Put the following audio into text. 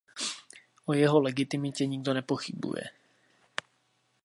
O jeho legitimitě nikdo nepochybuje.